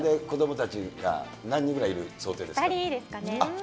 子どもたちは何人ぐらいいる２人ですかね。